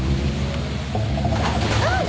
あっ！